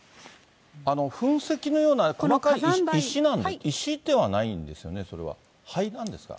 噴石のような細かい石なんですか、石ではないんですよね、それは、灰なんですか？